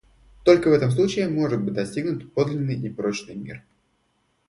Только в этом случае может быть достигнут подлинный и прочный мир.